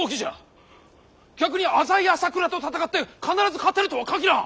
逆に浅井朝倉と戦って必ず勝てるとは限らん！